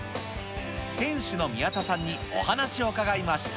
店主の宮田さんにお話を伺いました。